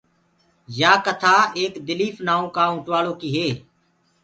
يآ ڪٿآ ايڪ دليٚڦ نآئو ڪآ اوٽواݪو ڪيٚ هي